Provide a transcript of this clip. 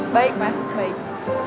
baik mas baik